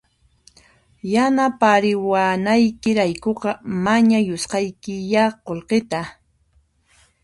Yanapariwanaykiraykuqa mañayusqaykiya qullqita